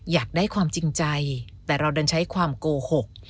อยากได้ความจริงใจแต่เราดันใช้ความโกหก